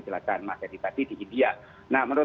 masyarakat tadi di india nah menurut